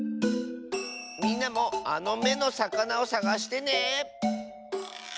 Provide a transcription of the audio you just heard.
みんなもあの「め」のさかなをさがしてね。